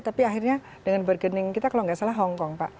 tapi akhirnya dengan bargaining kita kalau tidak salah hongkong